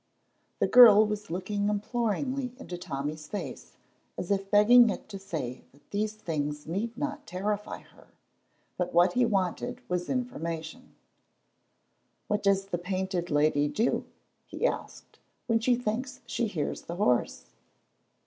The girl was looking imploringly into Tommy's face as if begging it to say that these things need not terrify her, but what he wanted was information. "What does the Painted Lady do," he asked, "when she thinks she hears the horse?"